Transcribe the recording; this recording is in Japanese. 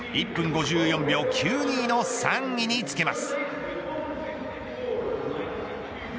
１分５４秒９２の３位につけます。